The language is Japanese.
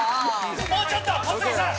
もうちょっと小杉さん！